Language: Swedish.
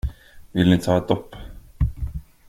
Vill ni ta ett dopp?